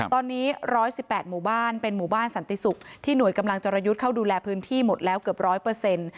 ตอนนี้๑๑๘หมู่บ้านเป็นหมู่บ้านสันติศุกร์ที่หน่วยกำลังจรยุทธ์เข้าดูแลพื้นที่หมดแล้วเกือบร้อยเปอร์เซ็นต์